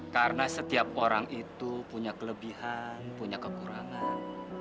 karena setiap orang itu punya kelebihan punya kekurangan